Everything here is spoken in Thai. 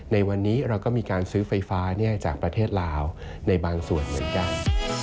ในวันนี้เราก็มีการซื้อไฟฟ้าจากประเทศลาวในบางส่วนเหมือนกัน